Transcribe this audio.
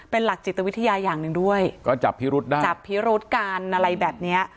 เป็นหลักจิตวิทยาอย่างด้วยจับผีรุดการอะไรแบบนี้